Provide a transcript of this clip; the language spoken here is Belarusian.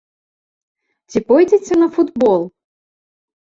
Ці пойдзеце на футбол?